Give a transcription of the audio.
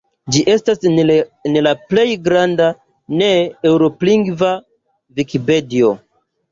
Ĝi estas la plej granda ne-eŭroplingva vikipedio.